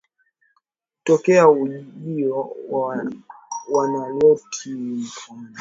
tokea ujio wa Waniloti Mkoani Mara watu hawa ni majirani